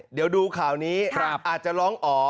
เดี๋ยวดูข่าวนี้อาจจะร้องอ๋อ